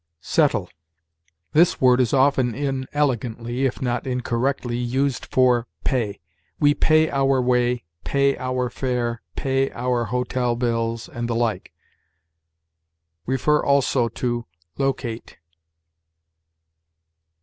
SETTLE. This word is often inelegantly, if not incorrectly, used for pay. We pay our way, pay our fare, pay our hotel bills, and the like. See, also, LOCATE.